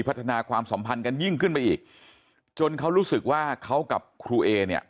พัฒนาความสัมพันธ์กันยิ่งขึ้นไปอีกจนเขารู้สึกว่าเขากับครูเอเนี่ย